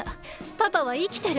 パパはいきてる。